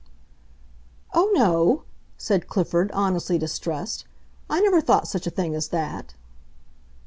"Oh, no," said Clifford, honestly distressed. "I never thought such a thing as that."